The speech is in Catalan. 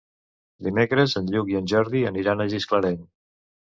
Dimecres en Lluc i en Jordi aniran a Gisclareny.